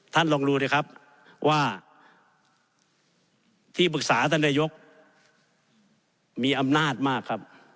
ท่านลองดูสิครับว่าที่ปรึกษาท่านนายกมีอำนาจมากครับ